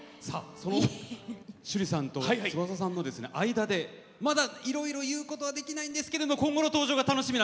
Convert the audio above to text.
趣里さんと翼さんの間でまだいろいろ言うことはできないんですが今後の登場が楽しみな